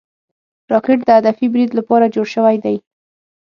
راکټ د هدفي برید لپاره جوړ شوی دی